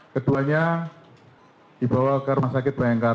keduanya dibawa ke rumah sakit bayangkara